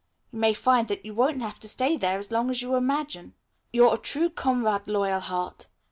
You may find that you won't have to stay there as long as you imagine." "You're a true comrade, Loyalheart."